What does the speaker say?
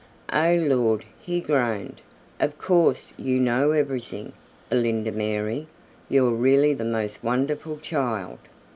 "Oh, Lord!" he groaned. "Of course you know everything. Belinda Mary, you're really the most wonderful child."